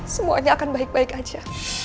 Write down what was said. semuanya akan baik baik aja